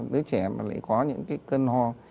đứa trẻ mà lại có những cái cơn ho